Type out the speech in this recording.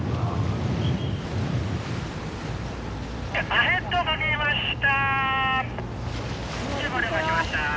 「アヘッドかけました」。